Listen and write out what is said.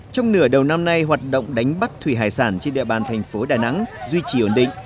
trong nửa đầu năm nay hoạt động đánh bắt thủy hải sản trên địa bàn thành phố đà nẵng duy trì ổn định